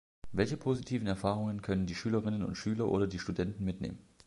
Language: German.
Welche positiven Erfahrungen können die Schülerinnen und Schüler oder die Studenten mitnehmen?